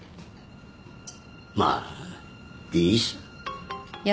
まあいいさ。